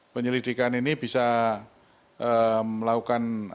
penyelidikan ini bisa melakukan